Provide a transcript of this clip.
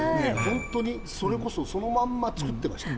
本当にそれこそそのまんま作ってました。